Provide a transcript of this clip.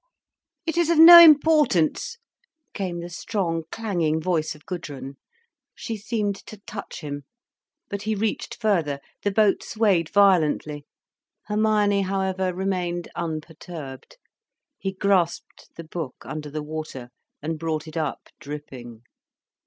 "It is of no importance," came the strong, clanging voice of Gudrun. She seemed to touch him. But he reached further, the boat swayed violently. Hermione, however, remained unperturbed. He grasped the book, under the water, and brought it up, dripping.